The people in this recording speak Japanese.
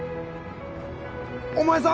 お前さん